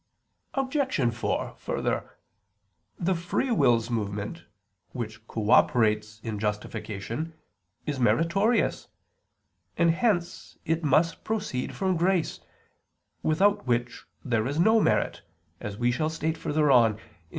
Obj. 4: Further, the free will's movement, which cooperates in justification, is meritorious; and hence it must proceed from grace, without which there is no merit, as we shall state further on (Q.